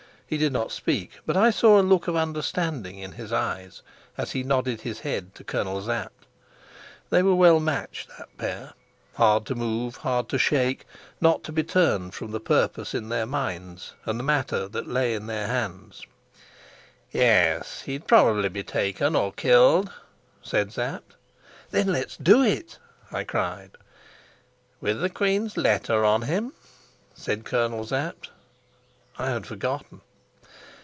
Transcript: He did not speak, but I saw a look of understanding in his eyes as he nodded his head to Colonel Sapt. They were well matched, that pair, hard to move, hard to shake, not to be turned from the purpose in their minds and the matter that lay to their hands. "Yes, he'd probably be taken or killed," said Sapt. "Then let's do it!" I cried. "With the queen's letter on him," said Colonel Sapt. I had forgotten.